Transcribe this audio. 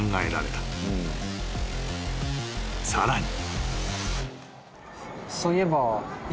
［さらに］